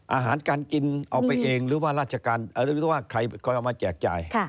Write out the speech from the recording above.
อาหารการกินเอาไปเองหรือว่าราชการหรือว่าใครคอยเอามาแจกจ่าย